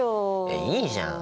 えっいいじゃん。